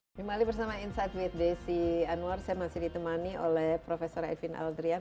kembali bersama insight with desi anwar saya masih ditemani oleh prof evin aldrian